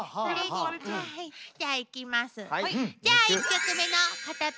じゃあいきます。